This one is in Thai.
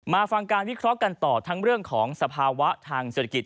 ฟังการวิเคราะห์กันต่อทั้งเรื่องของสภาวะทางเศรษฐกิจ